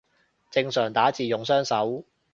正常打字用雙手